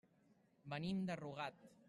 Venim de Rugat.